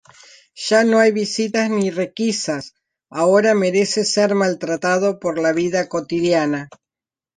Ya no hay visitas ni requisas, ahora merece ser maltratado por la vida cotidiana.